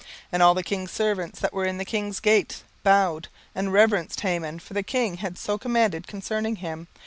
17:003:002 And all the king's servants, that were in the king's gate, bowed, and reverenced Haman: for the king had so commanded concerning him.